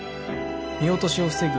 見落としを防ぐ